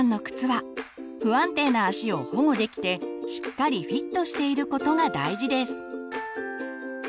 は不安定な足を保護できてしっかりフィットしていることが大事です。